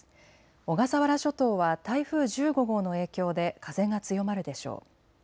小笠原諸島は台風１５号の影響で風が強まるでしょう。